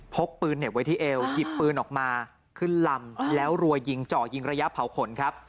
กปืนเหน็บไว้ที่เอวหยิบปืนออกมาขึ้นลำแล้วรัวยิงเจาะยิงระยะเผาขนครับ